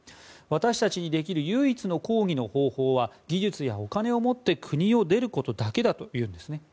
私たちにできる唯一の抗議の方法は技術やお金をもって国を出ることだけだというんですね。